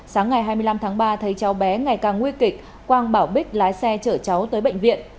sáng ngày hai mươi năm tháng ba thấy cháu bé ngày càng nguy kịch quang bảo bích lái xe chở cháu tới bệnh viện